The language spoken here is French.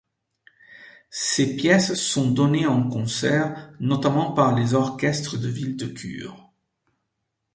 Ses pièces sont données en concert, notamment par les orchestres de ville de cure.